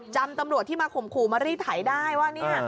ตำรวจที่มาข่มขู่มารีดไถได้ว่าเนี่ย